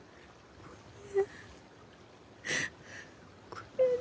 ごめんね。